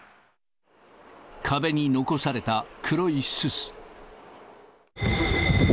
壁に残された黒いすす。